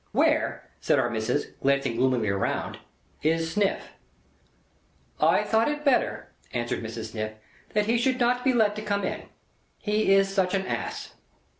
"Where," said Our Missis, glancing gloomily around, "is Sniff?" "I thought it better," answered Mrs. Sniff, "that he should not be let to come in. He is such an Ass."